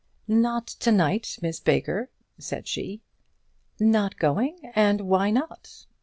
"Not to night, Miss Baker," said she. "Not going! and why not?"